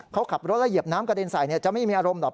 เขาขับรถแล้วเหยียบน้ำกระเด็นใส่จะไม่มีอารมณ์หรอก